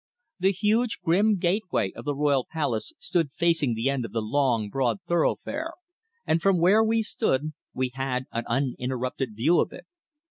The huge grim gateway of the royal palace stood facing the end of the long, broad thoroughfare, and from where we stood we had an uninterrupted view of it.